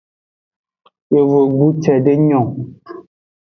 Yovogbu cede nyon.